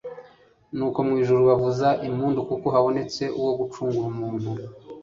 nuko mwijuru bavuza impundu kuko habonetse uwo gucungura umuntu